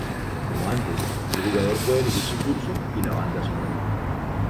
Como antes, el jugador puede elegir su curso y la banda sonora.